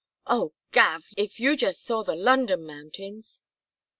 ("Oh, Gav, if you just saw the London mountains!")